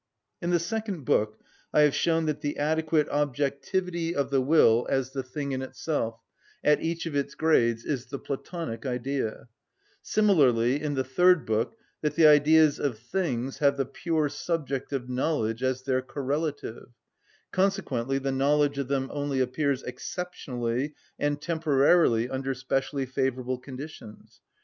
In the second book I have shown that the adequate objectivity of the will as the thing in itself, at each of its grades, is the (Platonic) Idea; similarly in the third book that the Ideas of things have the pure subject of knowledge as their correlative; consequently the knowledge of them only appears exceptionally and temporarily under specially favourable conditions.